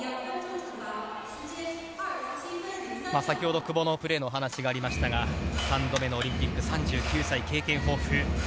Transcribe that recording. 先ほど久保のプレーのお話がありましたが３度目のオリンピック、３９歳、経験豊富。